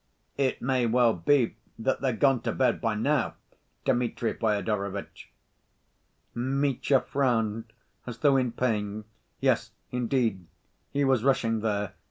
"It may well be that they're gone to bed, by now, Dmitri Fyodorovitch." Mitya frowned as though in pain. Yes, indeed ... he was rushing there ...